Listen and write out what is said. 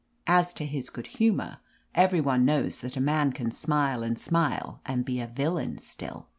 As to his good humor, every one knows that a man can smile and smile and be a villain still.